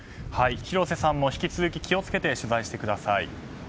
広瀬さんも引き続き気を付けて取材してください。